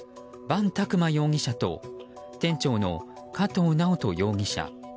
伴拓磨容疑者と店長の加藤直人容疑者。